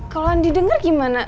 kalau andi dengar gimana